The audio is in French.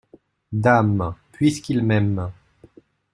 Dame, puisqu’il m’aime.